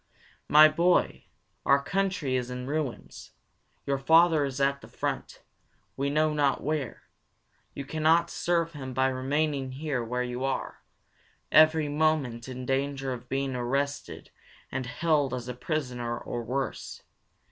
"My boy, our country is in ruins. Your father is at the front, we know not where. You can not serve him by remaining here where you are, every moment in danger of being arrested and held as a prisoner or worse.